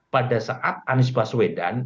pada saat anies baswedan